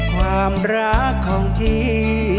ความรักของพี่